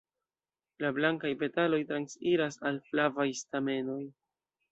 La blankaj petaloj transiras al flavaj stamenoj.